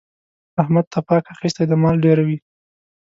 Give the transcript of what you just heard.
احمد تپاک اخيستی دی؛ مال ډېروي.